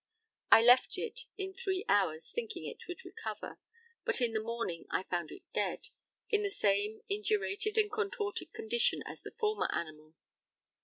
I left it in three hours, thinking it would recover, but in the morning I found it dead, in the same indurated and contorted condition as the former animal.